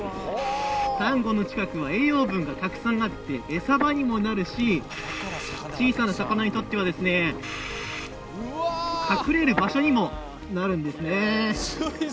サンゴの近くは栄養分がたくさんあって餌場にもなるし小さな魚にとっては隠れる場所にもなるんですね。